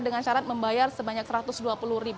dengan syarat membayar sebanyak rp satu ratus dua puluh